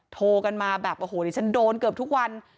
โทรกันมาแบบโอ้โหดิฉันโดนเกือบทุกวัน